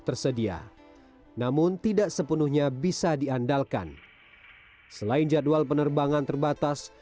tersedia namun tidak sepenuhnya bisa diandalkan selain jadwal penerbangan terbatas